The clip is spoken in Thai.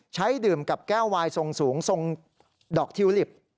ดื่มกับแก้ววายทรงสูงทรงดอกทิวลิป